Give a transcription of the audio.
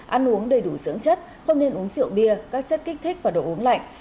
ăn uống đầy đủ dưỡng chất không nên uống rượu bia các chất kích thích và đồ uống lạnh